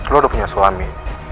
lo udah punya suami